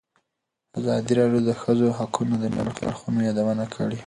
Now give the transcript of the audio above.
ازادي راډیو د د ښځو حقونه د منفي اړخونو یادونه کړې.